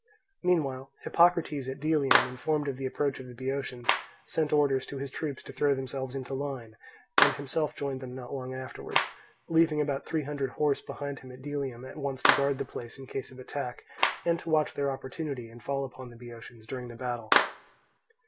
Meanwhile Hippocrates at Delium, informed of the approach of the Boeotians, sent orders to his troops to throw themselves into line, and himself joined them not long afterwards, leaving about three hundred horse behind him at Delium, at once to guard the place in case of attack, and to watch their opportunity and fall upon the Boeotians during the battle.